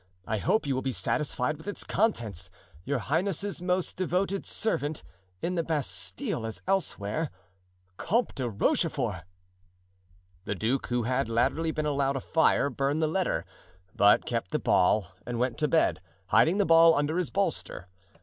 I hope you will be satisfied with its contents. "Your highness's most devoted servant, "In the Bastile, as elsewhere, "Comte de Rochefort." The duke, who had latterly been allowed a fire, burned the letter, but kept the ball, and went to bed, hiding the ball under his bolster.